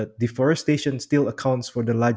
tetapi deforestation masih mengandungi